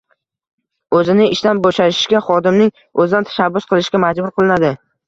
Oʻzini ishdan boʻshashiga xodimning oʻzidan tashabbus qilishga majbur qilinadi.